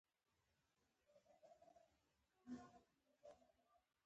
ماته نن څو تنو مېرمنو او ماشومانو د سوال لاس راوغځاوه.